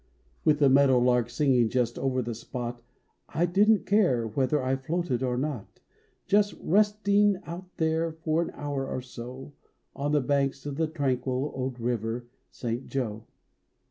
With the meadow lark singing just over the spot I didn t care whether I floated or not Just resting out there for an hour or so On the banks of the tranquil old River St. Joe.